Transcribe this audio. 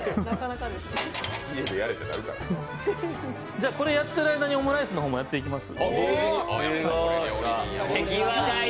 じゃあ、これやってる間にオムライスの方もやっていきます。